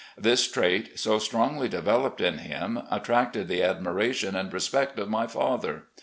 This trait, so strongly developed in him, attracted the admiration and respect of my father.